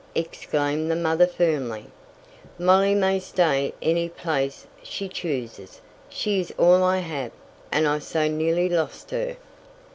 exclaimed the mother firmly. "Molly may stay any place she chooses. She is all I have, and I so nearly lost her!"